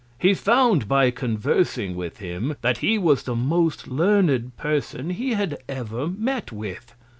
He found, by conversing with him, that he was the most learned Person he had ever met with.